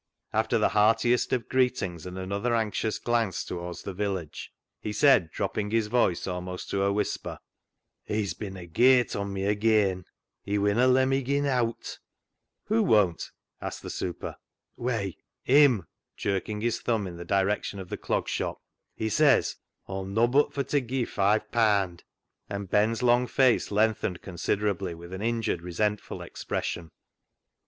After the heartiest of greetings, and another anxious glance towards the village, he said, dropping his voice almost to a whisper —" He's bin agate on me ageean ; he winna le' me gie nowt." " Who won't ?" asked the " super." <«THE ZEAL OF THINE HOUSE" 319 " Whey, him !" jerking his thumb in the direction of the Clog Shop. *' He says Aw'm nobbut fur t' gie five paand !" And Ben's long face lengthened considerably with an injured, resentful expression.